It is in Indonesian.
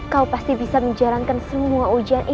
kau pasti bisa menjalankan semua ujian ini